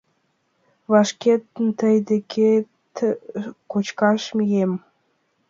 Вашке тый декет кочкаш мием.